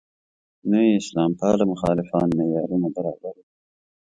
نه یې اسلام پاله مخالفان معیارونو برابر وو.